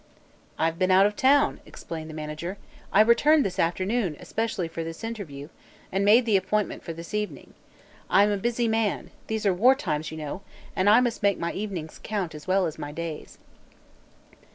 "I have been out of town," explained the manager. "I returned this afternoon, especially for this interview, and made the appointment for this evening. I am a busy man these are war times, you know and I must make my evenings count as well as my days."